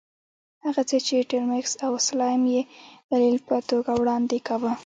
هغه څه چې ټیلمکس او سلایم یې دلیل په توګه وړاندې کاوه.